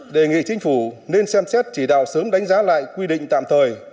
đề nghị chính phủ nên xem xét chỉ đạo sớm đánh giá lại quy định tạm thời